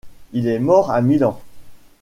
Il est mort à Milan.